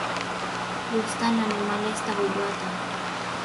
gustan animalesta uywata